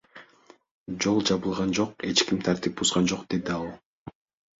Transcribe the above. Жол жабылган жок, эч ким тартип бузган жок, — деди ал.